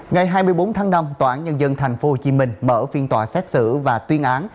ngày hai mươi bốn tháng năm tòa án nhân dân tp hcm mở phiên tòa xét xử và tuyên án